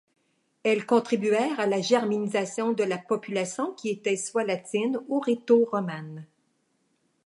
Elles contribuèrent à la germanisation de la population qui était soit latine ou rhéto-romane.